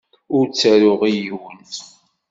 Ur ttaruɣ i yiwen.